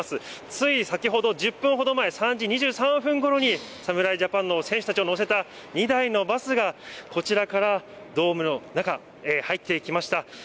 つい先ほど、１０分ほど前、３時２３分ごろに、侍ジャパンの選手たちを乗せた２台のバスが、こちらからドームの中、入っていきました。